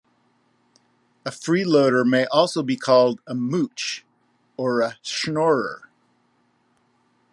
A freeloader may also be called a "mooch" or a schnorrer.